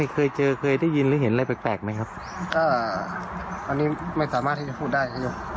เคยเจอเคยได้ยินหรือเห็นอะไรแปลกไหมครับก็อันนี้ไม่สามารถที่จะพูดได้ครับยก